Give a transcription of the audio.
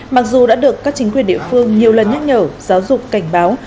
mặc dù đã được các chính quyền địa phương nhiều lần nhắc nhở giáo dục cảnh báo